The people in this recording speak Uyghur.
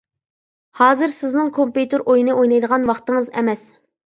ھازىر سىزنىڭ كومپيۇتېر ئويۇنى ئوينايدىغان ۋاقتىڭىز ئەمەس.